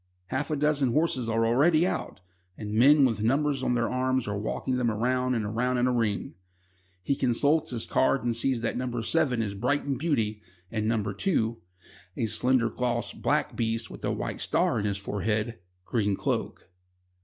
Half a dozen horses are already out, and men with numbers on their arms are walking them round and round in a ring. He consults his card and sees that No. 7 is Brighton Beauty, and No. 2 (a slender, glossy, black beast with a white star in his forehead) Green Cloak.